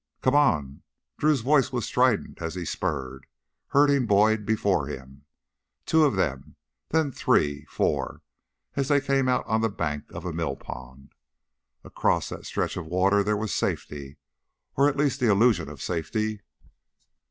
"Come on!" Drew's voice was strident as he spurred, herding Boyd before him. Two of them, then three, four, as they came out on the bank of a millpond. Across that stretch of water there was safety, or at least the illusion of safety.